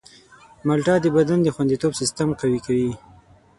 مالټه د بدن د خوندیتوب سیستم قوي کوي.